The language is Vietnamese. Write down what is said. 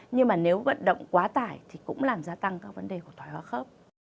nhưng mà nếu vận động quá tải thì cũng làm gia tăng các vấn đề của thói hóa khớp